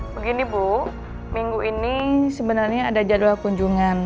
begini bu minggu ini sebenarnya ada jadwal kunjungan